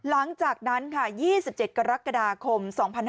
หลังจากนั้น๒๗กรกฎาคม๒๕๖๕